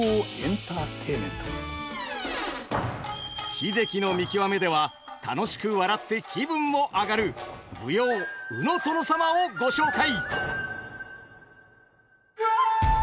「英樹の見きわめ」では楽しく笑って気分も上がる舞踊「鵜の殿様」をご紹介！